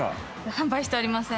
販売しておりません。